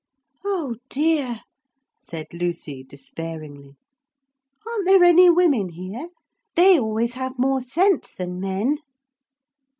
'Oh, dear,' said Lucy despairingly, 'aren't there any women here? They always have more sense than men.'